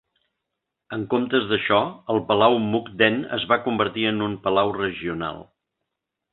En comptes d'això, el palau Mukden es va convertir en un palau regional.